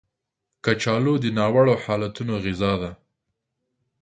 کچالو د ناوړه حالتونو غذا ده